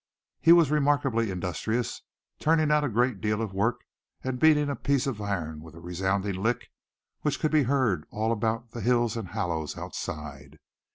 He was remarkably industrious, turning out a great deal of work and beating a piece of iron with a resounding lick which could be heard all about the hills and hollows outside.